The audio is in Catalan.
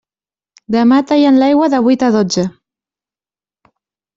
Demà tallen l'aigua de vuit a dotze.